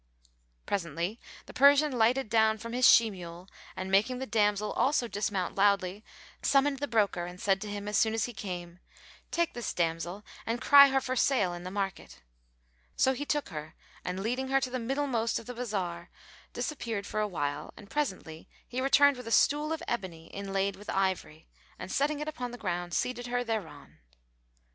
Presently the Persian lighted down from his she mule and making the damsel also dismount loudly summoned the broker and said to him as soon as he came, "Take this damsel and cry her for sale in the market." So he took her and leading her to the middlemost of the bazar disappeared for a while and presently he returned with a stool of ebony, inlaid with ivory, and setting it upon the ground, seated her thereon.